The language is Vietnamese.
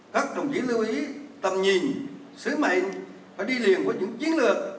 các đồng chí lưu ý tầm nhìn sứ mạnh và đi liền với những chiến lược